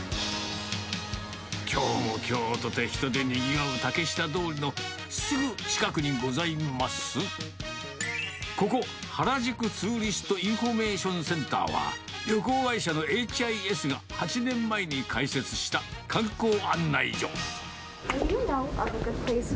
きょうもきょうとて人でにぎわう竹下通りのすぐ近くにございます、ここ、原宿ツーリストインフォメーションセンターは、旅行会社のエイチ・アイ・エスが、８年前に開設した観光案内所。